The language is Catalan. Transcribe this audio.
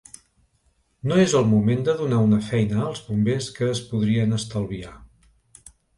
No és el moment de donar una feina als bombers que es podrien estalviar.